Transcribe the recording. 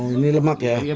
ini lemak ya